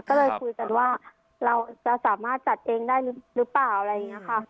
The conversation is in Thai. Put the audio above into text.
ก็เลยคุยกันว่าเราจะสามารถจัดเองได้หรือเปล่าอะไรอย่างนี้ค่ะ